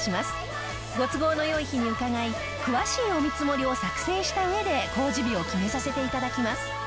ご都合の良い日に伺い詳しいお見積もりを作成した上で工事日を決めさせて頂きます。